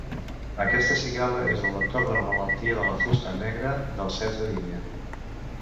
Aquesta cigala és el vector de la malaltia de la fusta negra dels ceps de vinya.